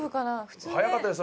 早かったです